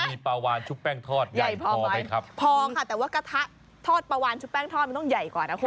มีปลาวานชุบแป้งทอดใหญ่พอไหมครับพอค่ะแต่ว่ากระทะทอดปลาวานชุบแป้งทอดมันต้องใหญ่กว่านะคุณ